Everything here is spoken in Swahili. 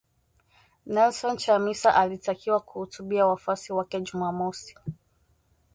Nelson Chamisa alitakiwa kuhutubia wafuasi wake Jumamosi